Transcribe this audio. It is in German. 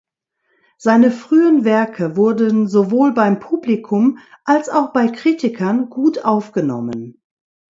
Seine frühen Werke wurden sowohl beim Publikum als auch bei Kritikern gut aufgenommen.